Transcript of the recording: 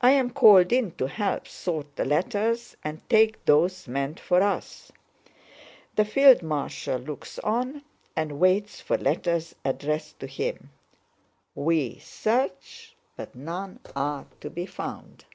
I am called in to help sort the letters and take those meant for us. The field marshal looks on and waits for letters addressed to him. We search, but none are to be found.